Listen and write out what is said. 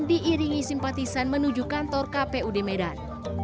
diiringi simpatisan menuju kantor kpud medan